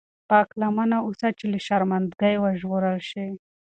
پاک لمن اوسه چې له شرمنده ګۍ وژغورل شې.